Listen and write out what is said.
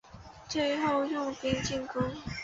最后用兵进攻。